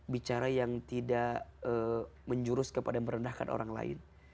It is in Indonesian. bicara yang tidak menjurus kepada merendahkan orang lain